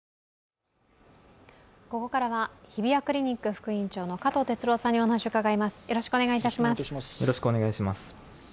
ここからは日比谷クリニック副院長の加藤哲朗さんにお話を伺います。